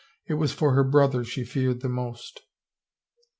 It was for her brother she feared the most.